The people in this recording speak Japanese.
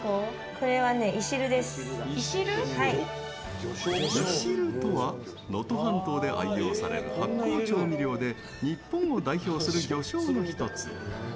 いしるとは、能登半島で愛用される発酵調味料で日本を代表する魚しょうの１つ。